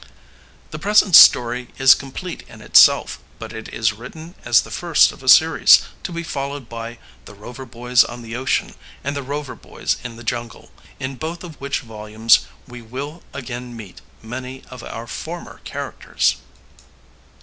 The present story is complete in itself, but it is written as the first of a series, to be followed by "The Rover Boys on the Ocean" and "The Rover Boys in the Jungle," in both of which volumes we will again meet many of our former characters.